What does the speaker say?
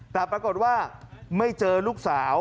แต่ปรากฏว่าไม่เจอลูกสาว